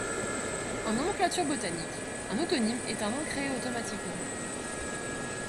En nomenclature botanique, un autonyme est un nom créé automatiquement.